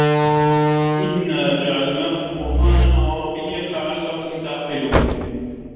إِنّا جَعَلناهُ قُرآنًا عَرَبِيًّا لَعَلَّكُم تَعقِلونَ